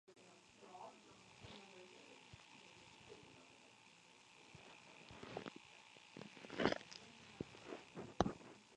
Se conserva en el Museo Diocesano y Catedralicio de Valladolid.